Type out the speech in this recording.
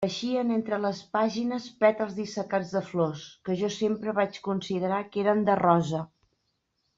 Apareixien entre les pàgines pètals dissecats de flors, que jo sempre vaig considerar que eren de rosa.